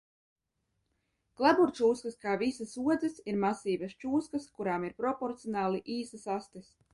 Klaburčūskas kā visas odzes ir masīvas čūskas, kurām ir proporcionāli īsas astes.